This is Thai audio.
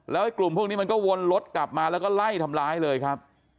ไอ้กลุ่มพวกนี้มันก็วนรถกลับมาแล้วก็ไล่ทำร้ายเลยครับ